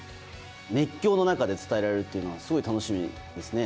熱狂の中で伝えられるというのは、すごい楽しみですね。